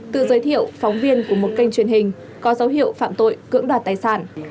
tự giới thiệu phóng viên của một kênh truyền hình có dấu hiệu phạm tội cưỡng đoạt tài sản